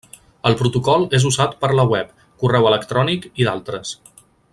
El protocol és usat per la web, correu electrònic i d'altres.